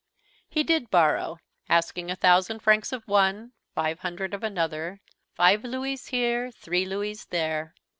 He did borrow, asking a thousand francs of one, five hundred of another, five louis here, three louis there.